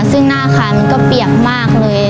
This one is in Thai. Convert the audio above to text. ซึ่งหน้าอาคารมันก็เปียกมากเลย